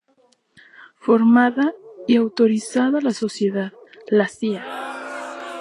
Formada y autorizada la sociedad, la Cía.